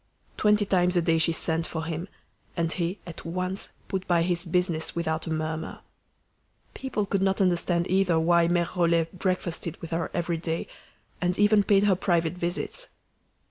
Twenty times a day she sent for him, and he at once put by his business without a murmur. People could not understand either why Mere Rollet breakfasted with her every day, and even paid her private visits.